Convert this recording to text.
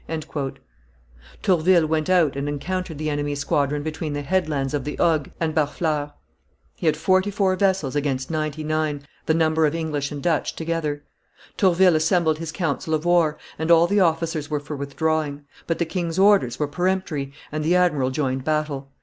Tourville went out and encountered the enemy's squadrons between the headlands of La Hogue and Barfleur; he had forty four vessels against ninety nine, the number of English and Dutch together. Tourville assembled his council of war, and all the officers were for withdrawing; but the king's orders were peremptory, and the admiral joined battle.